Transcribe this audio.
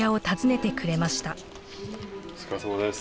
お疲れさまです。